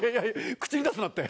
口に出すなって。